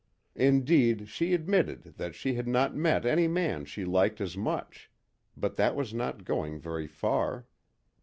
Indeed, she admitted that she had not met any man she liked as much, but that was not going very far.